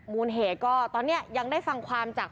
มูลเหตุก็ตอนนี้ยังได้ฟังความจาก